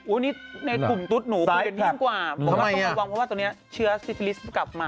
อุ้ยในกลุ่มตุ๊ดหนูคงเป็นยิ่งกว่าทำไมเนี่ยบอกก็ต้องระวังเพราะว่าตรงนี้เชื้อซิฟิลิสก็กลับมา